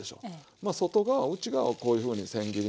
まあ外側内側をこういうふうにせん切りに。